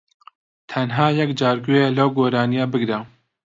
تەنھا یەکجار گوێ لەم گۆرانیە بگرە